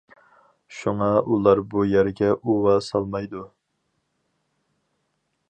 شۇڭا ئۇلار بۇ يەرگە ئۇۋا سالمايدۇ.